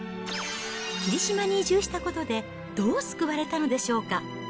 霧島に移住したことで、どう救われたのでしょうか。